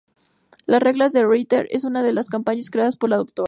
Las Reglas de Ritter es una de esas campañas, creada por la Dra.